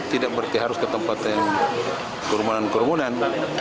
tidak berarti harus ke tempat yang kerumunan kerumunan